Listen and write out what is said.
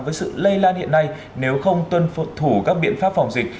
với sự lây lan hiện nay nếu không tuân thủ các biện pháp phòng dịch